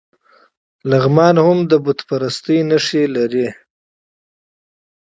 لغمان هم د بودیزم نښې لري